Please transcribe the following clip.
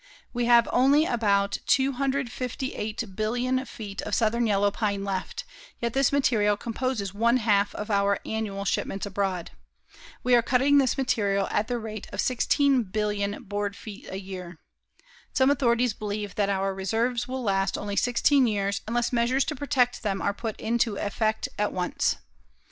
We have only about 258,000,000,000 feet of southern yellow pine left, yet this material composes one half of our annual shipments abroad. We are cutting this material at the rate of 16,000,000,000 board feet a year. Some authorities believe that our reserves will last only sixteen years unless measures to protect them are put into effect at once.